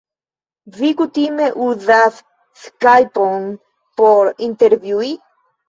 Vi kutime uzas skajpon por intervjui...?